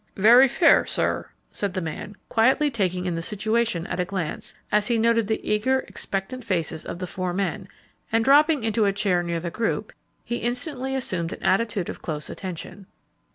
"Very fair, sir," said the man, quietly taking in the situation at a glance, as he noted the eager, expectant faces of the four men, and, dropping into a chair near the group, he instantly assumed an attitude of close attention.